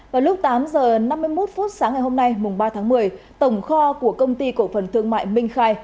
vào lúc tám h năm mươi một phút sáng ngày hôm nay mùng ba tháng một mươi tổng kho của công ty cổ phần thương mại minh khai